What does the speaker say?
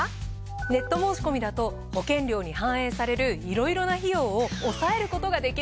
ネット申し込みだと保険料に反映されるいろいろな費用を抑えることができるからなんです。